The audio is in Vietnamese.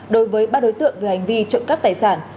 đối với ba đối tượng về hành vi trộm cắp tài sản